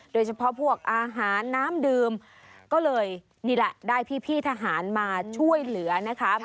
โดยเฉพาะพวกอาหารน้ำดื่มก็เลยนี่แหละได้พี่ทหารมาช่วยเหลือนะคะ